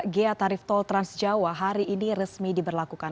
gia tarif tol transjawa hari ini resmi diberlakukan